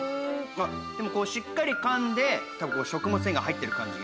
しっかり噛んで食物繊維が入ってる感じ